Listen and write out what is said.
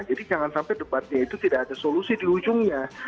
jadi jangan sampai debatnya itu tidak ada solusi di ujungnya